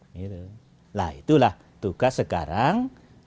nah itulah tugas sekarang